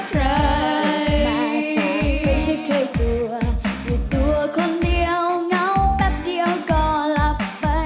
เป็นตัวคนเดียวเงาแป๊บเดียวก็หลับไป